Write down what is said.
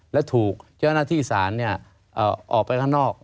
แล้วถูกเจ้าหน้าที่สารเนี่ยออกไปข้างนอก